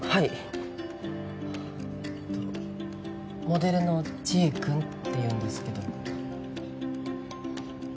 モデルのちぃ君っていうんですけど。